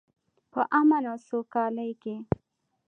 په امن او سوکالۍ کې.